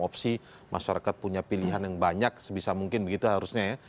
opsi masyarakat punya pilihan yang banyak sebisa mungkin begitu harusnya ya